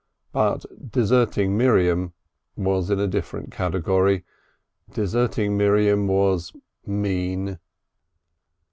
But deserting Miriam was in a different category. Deserting Miriam was mean.